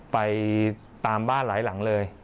ไปตามบ้านหลายหลังเลย